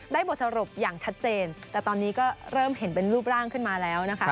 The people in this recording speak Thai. บทสรุปอย่างชัดเจนแต่ตอนนี้ก็เริ่มเห็นเป็นรูปร่างขึ้นมาแล้วนะคะ